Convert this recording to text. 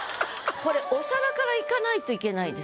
これお皿からいかないといけないです。